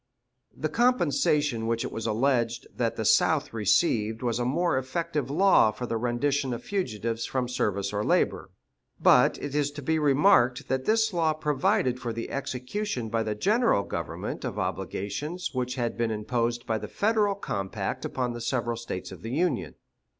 The compensation which it was alleged that the South received was a more effective law for the rendition of fugitives from service or labor. But it is to be remarked that this law provided for the execution by the General Government of obligations which had been imposed by the Federal compact upon the several States of the Union.